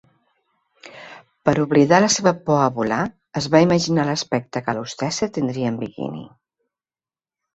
Per oblidar la seva por a volar, es va imaginar l'aspecte que la hostessa tindria en biquini.